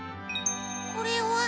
これは。